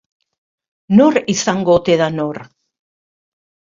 Nor izango ote da nor?